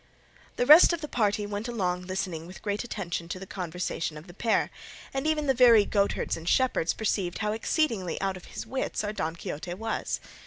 The rest of the party went along listening with great attention to the conversation of the pair, and even the very goatherds and shepherds perceived how exceedingly out of his wits our Don Quixote was.